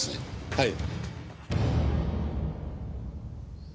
はい。